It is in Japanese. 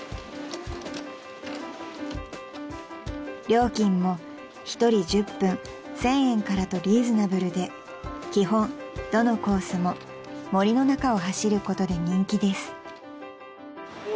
［料金も１人１０分１，０００円からとリーズナブルで基本どのコースも森の中を走ることで人気です］